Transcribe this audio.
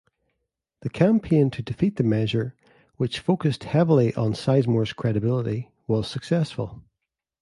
The campaign to defeat the measure, which focused heavily on Sizemore's credibility, was successful.